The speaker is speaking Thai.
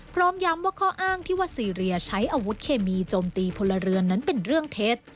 พร้อมย้ำว่าข้ออ้างที่ว่าซีเรียใช้อาวุธเคมีโจมตีพลเรือนนั้นเป็นเรื่องเท็จ